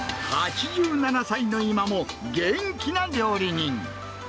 ８７歳の今も、元気な料理人。